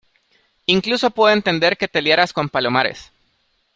incluso puedo entender que te liaras con Palomares.